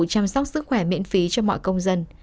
chăm sóc sức khỏe miễn phí cho mọi công dân